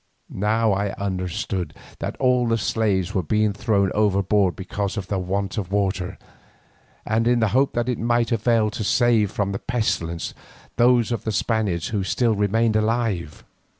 Now I understood that all the slaves were being thrown overboard because of the want of water, and in the hope that it might avail to save from the pestilence those of the Spaniards who still remained alive.